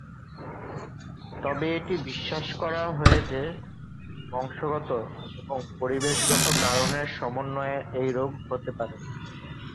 তবে এটি বিশ্বাস করা হয়ে যে বংশগত এবং পরিবেশগত কারণের সমন্বয়ে এই রোগ হতে পারে।